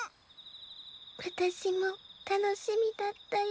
わたしもたのしみだったよ。